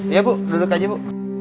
iya bu duduk aja bu